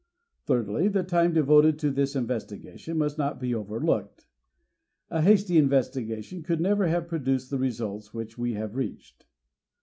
Thirdly, the time devoted to this investigation must not be over looked. A hasty investigation could never have pro PREFACE ix duced the results which we have reached.